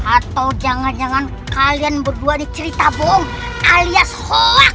atau jangan jangan kalian berdua dicerita bohong alias hoak